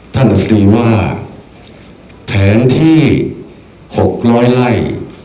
ท่านฟรีว่าแผนที่หกร้อยไล่